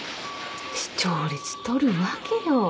視聴率取るわけよ。